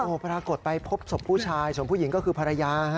โอ้ปรากฏไปพบศพผู้ชายศพผู้หญิงก็คือภรรยาค่ะ